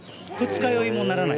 二日酔いもならない。